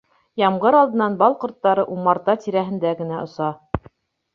Ямғыр алдынан бал ҡорттары умарта тирәһендә генә оса